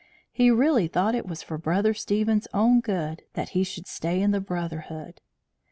He really thought it was for Brother Stephen's own good that he should stay in the brotherhood.